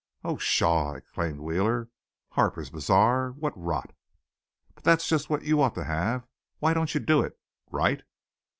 "Oh, pshaw!" exclaimed Wheeler. "Harper's Bazaar! What rot!" "But that's just what you ought to have. Why don't you do it right?"